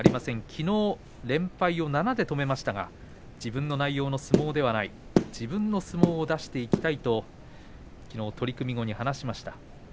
きのう連敗を７で止めましたが自分の内容の相撲ではない自分の相撲を出していきたいときのう取組後に話しました。